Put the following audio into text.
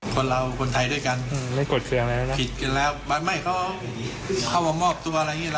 กระดีนี้ก็คล้ายกับกระดีของคุณตาซาเล้งอ่ะเนอะ